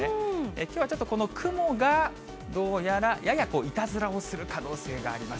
きょうはちょっとこの雲がどうやら、ややいたずらをする可能性があります。